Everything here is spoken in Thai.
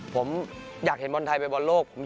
ผมอยากเห็นบอลไทยไปบอลโลก